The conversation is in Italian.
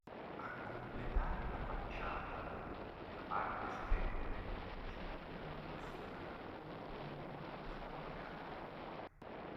A completare la facciata, nella parte superiore, c'è una balaustra con colonnine squadrate.